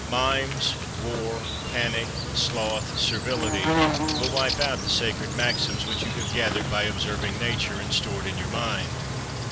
9. Mimes, war, panic, sloth, servility, will wipe out the sacred maxims which you have gathered by observing Nature and stored in your mind.